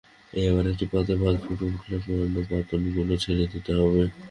এবার একটি পাত্রে ভাত ফুটে উঠলে মোড়ানো পাতাগুলো ছেড়ে দিতে হবে।